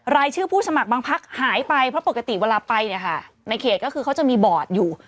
รายชื่อผู้สมัครบางพักหายไปเพราะปกติเวลาไปเนี่ยค่ะในเขตก็คือเขาจะมีบอร์ดอยู่